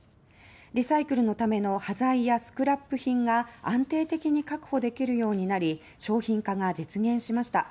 リサイクルのための端材やスクラップ品が安定的に確保できるようになり商品化が実現しました。